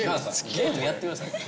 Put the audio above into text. ゲームやってください